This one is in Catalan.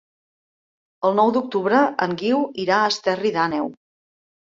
El nou d'octubre en Guiu irà a Esterri d'Àneu.